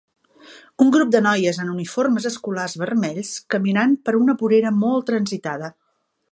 Un grup de noies en uniformes escolars vermells caminant per una vorera molt transitada.